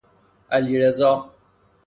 علیرضا